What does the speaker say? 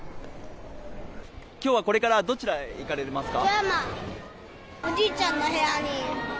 今日はこれからどちらへ行かれますか？